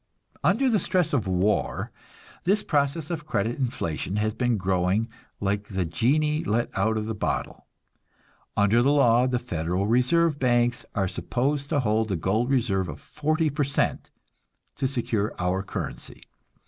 Under the stress of war, this process of credit inflation has been growing like the genii let out of the bottle. Under the law, the Federal Reserve banks are supposed to hold a gold reserve of 40% to secure our currency.